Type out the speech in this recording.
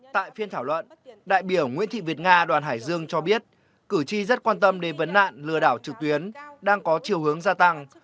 tại phiên thảo luận đại biểu nguyễn thị việt nga đoàn hải dương cho biết cử tri rất quan tâm đến vấn nạn lừa đảo trực tuyến đang có chiều hướng gia tăng